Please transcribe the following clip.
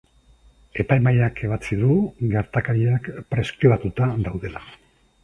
Epaimahaiak ebatzi du gertakariak preskribatuta daudela.